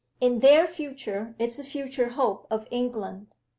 In their future is the future hope of England.